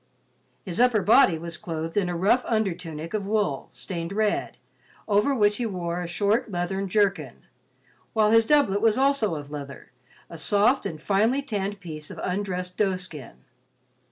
His upper body was clothed in a rough under tunic of wool, stained red, over which he wore a short leathern jerkin, while his doublet was also of leather, a soft and finely tanned piece of undressed doeskin.